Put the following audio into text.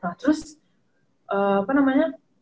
nah terus apa namanya